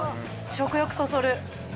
食欲そそる。